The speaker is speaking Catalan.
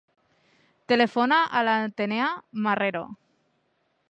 Telefona a l'Atenea Marrero.